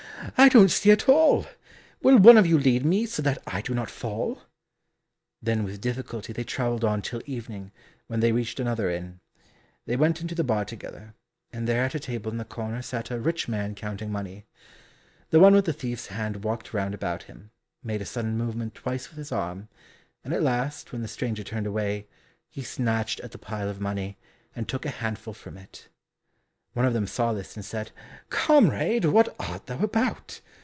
I don't see at all. Will one of you lead me, so that I do not fall." Then with difficulty they travelled on till evening, when they reached another inn. They went into the bar together, and there at a table in the corner sat a rich man counting money. The one with the thief's hand walked round about him, made a sudden movement twice with his arm, and at last when the stranger turned away, he snatched at the pile of money, and took a handful from it. One of them saw this, and said, "Comrade, what art thou about?